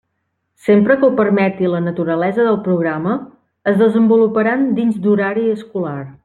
Sempre que ho permeti la naturalesa del programa, es desenvoluparan dins d'horari escolar.